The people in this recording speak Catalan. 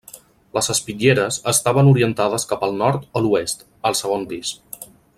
Les espitlleres estaven orientades cap al nord o l'oest, al segon pis.